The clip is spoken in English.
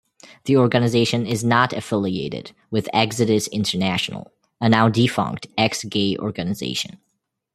The organization is not affiliated with Exodus International, a now defunct ex-gay organization.